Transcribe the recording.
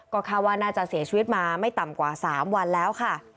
ก็คาดว่าน่าจะเสียชีวิตมาไม่ต่ำกว่า๓วันแล้วค่ะ